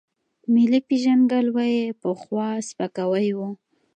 ملي پېژندګلوۍ پخوا سپکاوی و.